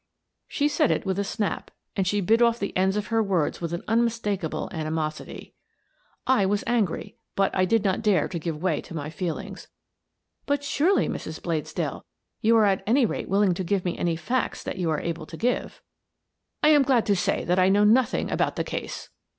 She said it with a snap, and she bit off the ends of her words with an unmistakable animosity. I was angry, but I did not dare to give way to my feelings. " But, surely, Mrs. Bladesdell, you are at any rate willing to give me any facts that you are able to give." " I am glad to say that I know nothing about the case."